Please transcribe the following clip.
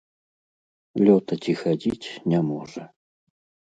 Лётаць і хадзіць не можа.